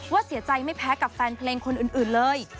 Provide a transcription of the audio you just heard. เสียใจไม่แพ้กับแฟนเพลงคนอื่นเลย